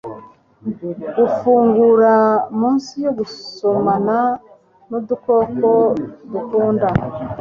gufungura munsi yo gusomana nudukoko dukunda